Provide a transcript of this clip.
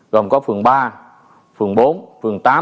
gồm có phường ba phường bốn phường tám